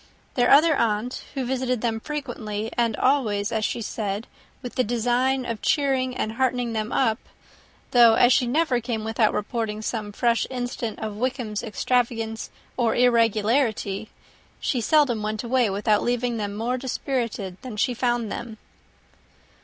Their other aunt also visited them frequently, and always, as she said, with the design of cheering and heartening them up though, as she never came without reporting some fresh instance of Wickham's extravagance or irregularity, she seldom went away without leaving them more dispirited than she found them.